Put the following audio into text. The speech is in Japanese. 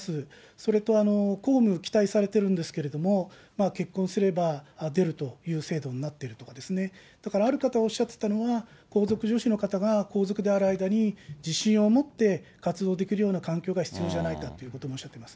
それと公務、期待されてるんですけれども、結婚すれば、出るという制度になっているとかですね、だからある方がおっしゃってたのは、皇族女子の方が皇族である間に、自信を持って活動できるような環境が必要じゃないかということもおっしゃってます。